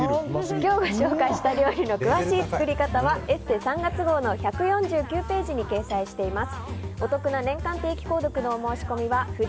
今日ご紹介した料理の詳しい作り方は「ＥＳＳＥ」３月号の１４９ページに掲載しています。